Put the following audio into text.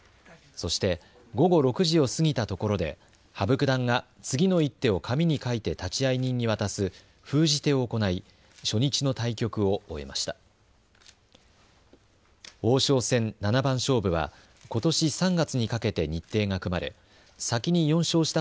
そして午後６時を過ぎたところで羽生九段が次の一手を紙に書いて立会人に渡す封じ手を行い初日の対局を終えました。